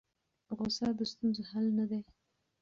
غوسه د ستونزو حل نه دی.